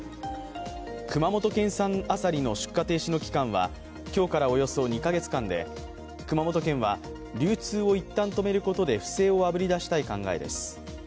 熊本県産あさりの出荷停止の期間は今日からおよそ２カ月間で熊本県は流通を一旦止めることで不正をあぶり出したい考えです。